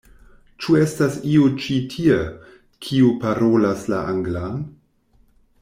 Ĉu estas iu ĉi tie, kiu parolas la anglan?